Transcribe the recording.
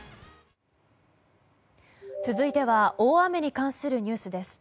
続いては大雨に関するニュースです。